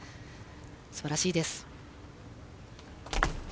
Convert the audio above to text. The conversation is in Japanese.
すばらしいです。